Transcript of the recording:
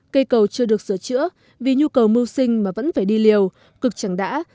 cây cầu chưa được sửa chữa vì nhu cầu mưu sinh mà vẫn phải đi liều cực chẳng đã